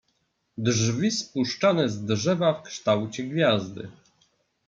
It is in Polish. "Drzwi spuszczane z drzewa w kształcie gwiazdy."